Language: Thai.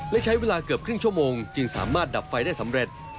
และใช้เวลาเกือบครึ่งชั่วโมงจึงสามารถดับไฟได้สำเร็จ